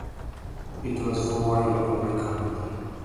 It was formerly a public company.